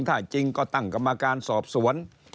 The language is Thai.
ถ้าจริงก็ตั้งกรรมการสอบสวน